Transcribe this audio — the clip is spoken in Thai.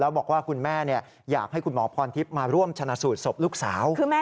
บอกว่าคุณแม่อยากให้คุณหมอพรทิพย์มาร่วมชนะสูตรศพลูกสาว